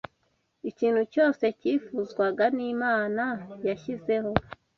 Ikintu cyose cyifuzwa Imana yashyizeho